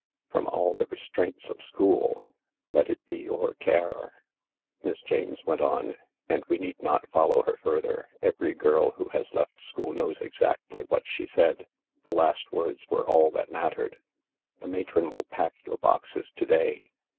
"... from all the restraints of school. Let it be your care ..." Miss James went on. And we need not follow her further. Every girl who has left school knows exactly what she said. The last words were all that mattered. "The matron will pack your boxes to day.